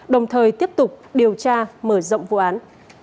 đồng thời tiếp tục điều tra mở rộng vụ án